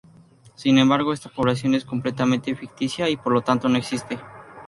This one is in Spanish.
Sin embargo, esta población es completamente ficticia y, por lo tanto, no existe.